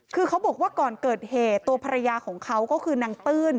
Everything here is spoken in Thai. คือเขาบอกว่าก่อนเกิดเหตุตัวภรรยาของเขาก็คือนางตื้น